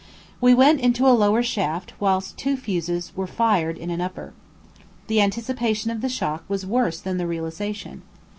We went into a lower shaft whilst two fuses were fired in an upper. The anticipation of the shock was worse than the realisation.